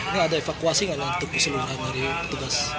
ini ada evakuasi nggak lah untuk keseluruhan dari petugas